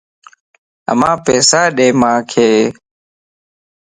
امان پيسا ڏي مانک